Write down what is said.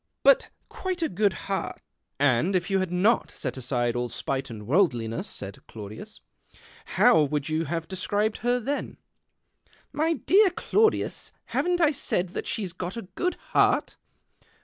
But quite a good heart." THE OCTAVE OF CLAUDIUS. 157 " And if you had not set aside all spite and A'orldliness," said Claudius, " how would you lave described her then ?"" My dear Claudius, haven't I said that •;lie's got a good heart